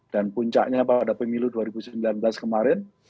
dan puncaknya pada pemilu dua ribu sembilan belas kemarin